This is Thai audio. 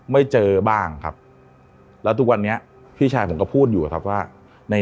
ไม่เจอบ้างครับแล้วทุกวันนี้พี่ชายผมก็พูดอยู่ครับว่าใน